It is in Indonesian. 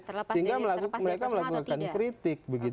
sehingga mereka melakukan kritik